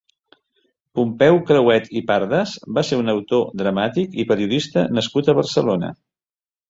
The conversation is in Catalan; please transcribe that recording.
Pompeu Crehuet i Pardas va ser un autor dramàtic i periodista nascut a Barcelona.